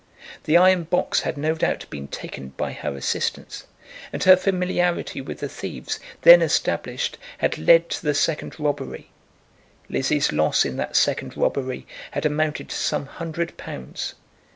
The iron box had no doubt been taken by her assistance, and her familiarity with the thieves, then established, had led to the second robbery. Lizzie's loss in that second robbery had amounted to some hundred pounds.